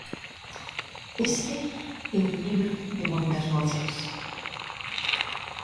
Este é un libro de moitas voces.